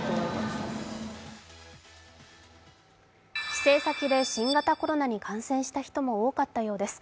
帰省先で新型コロナに感染した人も多かったようです。